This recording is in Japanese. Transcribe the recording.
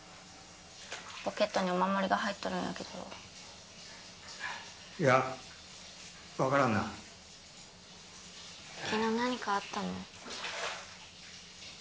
ポケットにお守りが入っとるんやけどいや分からんな昨日何かあったの？